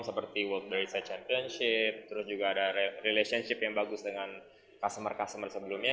seperti world research championship terus juga ada relationship yang bagus dengan customer customer sebelumnya